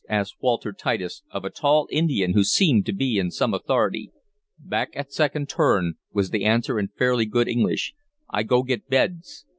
asked Walter Titus, of a tall Indian, who seemed to be in some authority. "Back at second turn," was the answer, in fairly good English. "I go get beds."